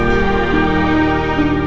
aku takut sama dia